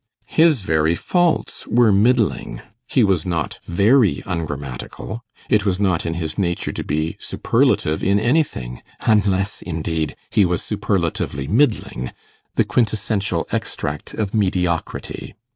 His very faults were middling he was not very ungrammatical. It was not in his nature to be superlative in anything; unless, indeed, he was superlatively middling, the quintessential extract of mediocrity.